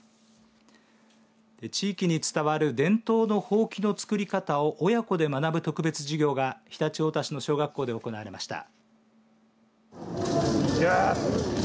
地域に伝わる伝統のほうきの作り方を親子で学ぶ特別授業が常陸太田市の小学校で行われました。